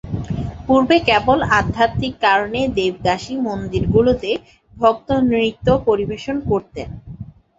পূর্বে, কেবল আধ্যাত্মিক কারণে দেবদাসী মন্দিরগুলিতে ভক্ত নৃত্য পরিবেশন করতেন।